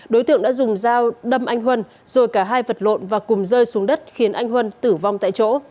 đối tượng đã dùng dao đâm anh huân rồi cả hai vật lộn và cùng rơi xuống đất khiến anh huân tử vong tại chỗ